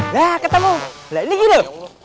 lah ketemu belakang ini gitu